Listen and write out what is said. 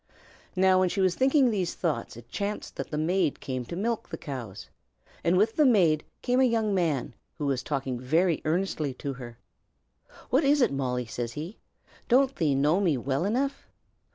Now, when she was thinking these thoughts it chanced that the maid came to milk the cows, and with the maid came a young man, who was talking very earnestly to her. "What is it, Molly?" says he. "Doesn't thee know me well enough?"